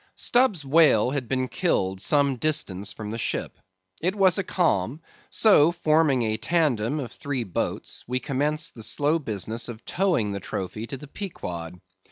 Stubb's whale had been killed some distance from the ship. It was a calm; so, forming a tandem of three boats, we commenced the slow business of towing the trophy to the Pequod.